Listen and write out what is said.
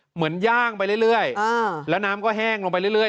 เหมือนย่างไปเรื่อยเรื่อยอ่าแล้วน้ำก็แห้งลงไปเรื่อยเรื่อย